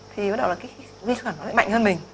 thì cái vết quẩn nó lại mạnh hơn mình